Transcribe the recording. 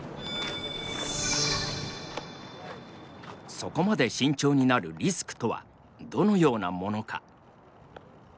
そこまで慎重になるリスクとはどのようなものか。